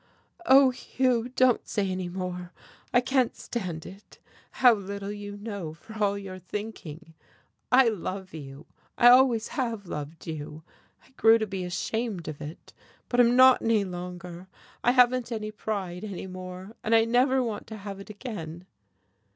"Oh, Hugh, don't say any more. I can't stand it. How little you know, for all your thinking. I love you, I always have loved you. I grew to be ashamed of it, but I'm not any longer. I haven't any pride any more, and I never want to have it again."